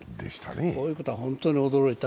こういうことは本当に驚いた。